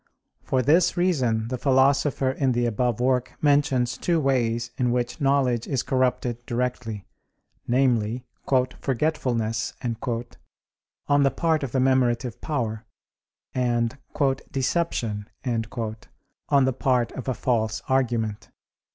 For this reason the Philosopher in the above work mentions two ways in which knowledge is corrupted directly: namely, "forgetfulness" on the part of the memorative power, and "deception" on the part of a false argument.